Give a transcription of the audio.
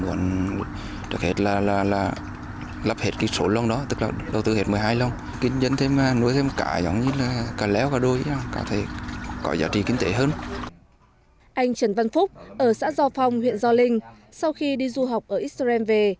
anh trần văn phúc ở xã do phong huyện gio linh sau khi đi du học ở israel về